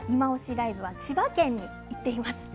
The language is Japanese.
ＬＩＶＥ」は千葉県に行っています。